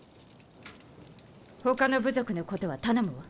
ほかの部族のことは頼むわ。